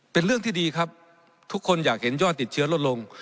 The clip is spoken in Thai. เป็นเรื่องที่ดีครับทุกคนอยากเห็นยอดติดเชื้อลดลง